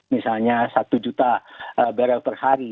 misalnya satu juta barrel per hari